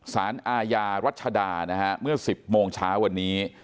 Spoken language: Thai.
สารอาญารัฐชดา๑๐โมงเช้าที่วันนี้